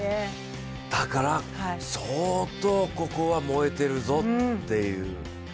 だから、相当ここは燃えてるぞっていう。